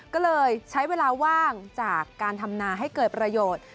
ก็เลยใช้เวลาว่างจากการทำนาให้เกิดประโยชน์